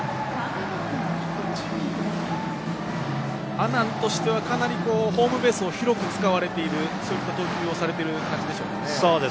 阿南としてはかなりホームベースを広く使われているといった投球をされている感じですかね。